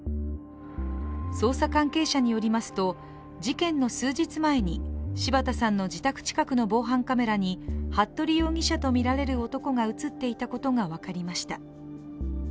捜査関係者によりますと、事件の数日前に柴田さんの自宅近くの防犯カメラに、服部容疑者とみられる男が映っていたことが分かりました。